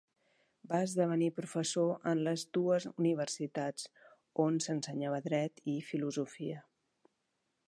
Va esdevenir professor en les dues universitats on s'ensenyava dret i filosofia.